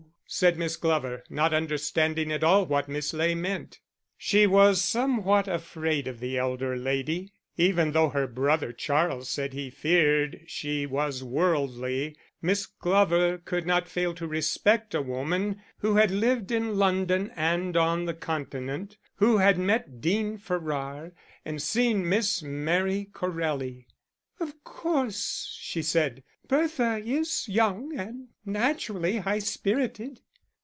said Miss Glover, not understanding at all what Miss Ley meant. She was somewhat afraid of the elder lady. Even though her brother Charles said he feared she was worldly, Miss Glover could not fail to respect a woman who had lived in London and on the continent, who had met Dean Farrar and seen Miss Marie Corelli. "Of course," she said, "Bertha is young, and naturally high spirited."